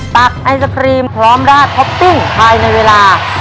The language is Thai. ตักไอศครีมพร้อมราดท็อปติ้งฮายในเวลา๓นาที